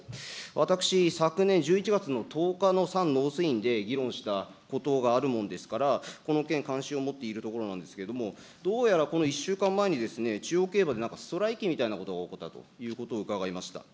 私、昨年１１月の１０日のさん農水委員で議論したことがあるもんですから、この件、関心を持っているところなんですけれども、どうやらこの１週間前に中央競馬で、なんかストライキみたいなことが起こったと伺いました。